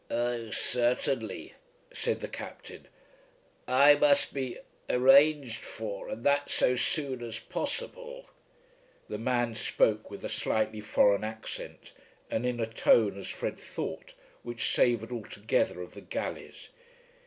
"Oh, certainly," said the Captain. "I must be arranged for, and that so soon as possible." The man spoke with a slightly foreign accent and in a tone, as Fred thought, which savoured altogether of the galleys.